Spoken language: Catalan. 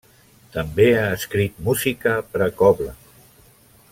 També ha escrit música per a cobla.